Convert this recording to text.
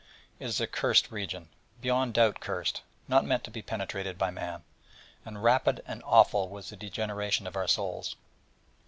It is a cursed region beyond doubt cursed not meant to be penetrated by man: and rapid and awful was the degeneration of our souls.